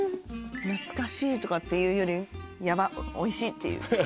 懐かしいとかっていうよりヤバっおいしいっていう。